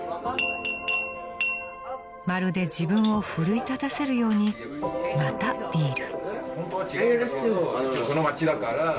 ［まるで自分を奮い立たせるようにまたビール］